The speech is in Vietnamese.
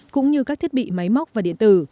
cũng như các thiết bị máy móc và điện tử